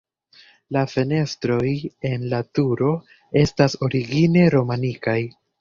La fenestroj en la turo estas origine romanikaj.